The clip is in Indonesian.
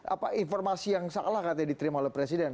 apa informasi yang salah katanya diterima oleh presiden